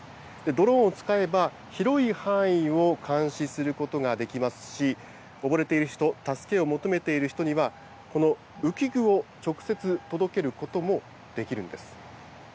ドローンを使えば広い範囲を監視することができますし、溺れている人、助けを求めている人には、この浮き具を直接届けることもできるんです。